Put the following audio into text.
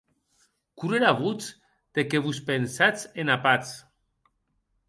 Cor era votz de qué vos pensatz ena patz.